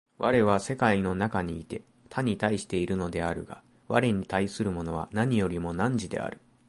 我は世界の中にいて他に対しているのであるが、我に対するものは何よりも汝である。